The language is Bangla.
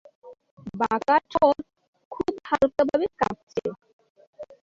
বাঁকা ঠোঁট খুব হালকাভাবে কাঁপছে।